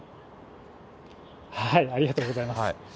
ありがとうございます。